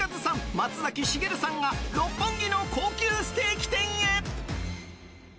松崎しげるさんが六本木の高級ステーキ店へ！